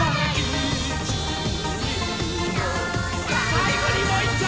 さいごにもういっちょ。